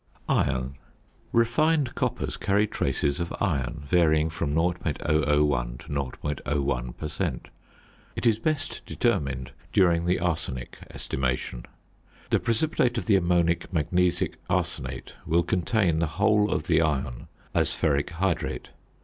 ~Iron.~ Refined coppers carry traces of iron, varying from 0.001 to 0.01 per cent. It is best determined during the arsenic estimation. The precipitate of the ammonic magnesic arsenate will contain the whole of the iron as ferric hydrate.